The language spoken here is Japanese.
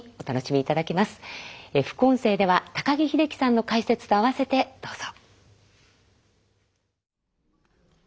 副音声では高木秀樹さんの解説とあわせてどうぞ。